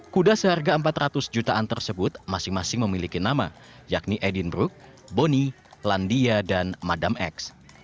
kuda seharga empat ratus jutaan tersebut masing masing memiliki nama yakni edinburg boni landia dan madam x